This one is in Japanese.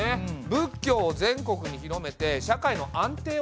仏教を全国に広めて社会の安定を願ったんだ。